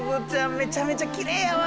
めちゃめちゃきれいやわ！